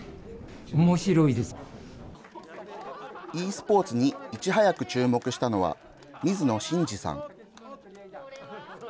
ｅスポーツにいち早く注目したのは、水野臣次さん。